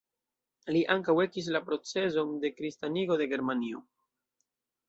Li ankaŭ ekis la procezon de kristanigo de Germanio.